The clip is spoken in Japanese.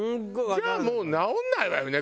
じゃあもう直んないわよね